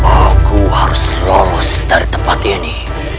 aku harus lolos dari tempat ini